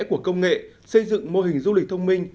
của công nghệ xây dựng mô hình du lịch thông minh